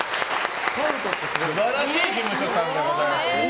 素晴らしい事務所さんでございます。